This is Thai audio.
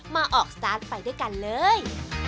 มาออกสตาร์ทไปด้วยกันเลย